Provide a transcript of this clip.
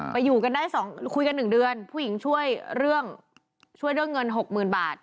ไปอยู่กันได้คุยกัน๑เดือนผู้หญิงช่วยเรื่องเงิน๖๐๐๐๐บาท